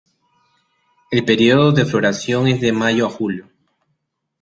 El período de floración es de mayo a julio.